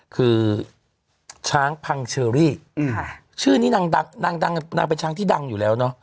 คือช้างพังเชอรี่ชื่อนี้นางดังนางดังนางเป็นช้างที่ดังอยู่แล้วเนอะ